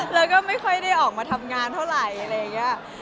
แล้วก็ไม่ค่อยได้ออกมาทำงานเท่าไหร่อะไรอย่างนี้